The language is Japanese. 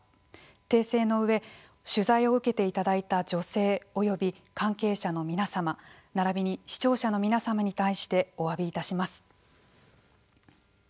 訂正の上取材を受けていただいた女性及び関係者の皆様並びに視聴者の皆様に対しておわびいたします。